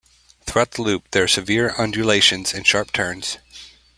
Throughout the loop there are severe undulations and sharp turns.